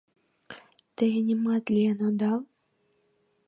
Те... нимат лийын... одал?